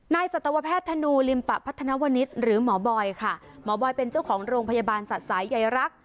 สัตวแพทย์ธนูลิมปะพัฒนาวนิดหรือหมอบอยค่ะหมอบอยเป็นเจ้าของโรงพยาบาลสัตว์สายใยรัก